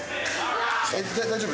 大丈夫。